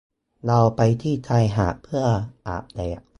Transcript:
เราไปที่ชายหาดเพื่ออาบแดด